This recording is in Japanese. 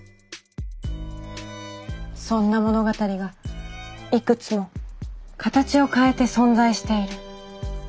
そんな物語がいくつも形を変えて存在している。